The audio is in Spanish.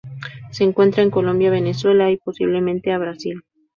Se encuentra en Colombia, Venezuela y, posiblemente, a Brasil.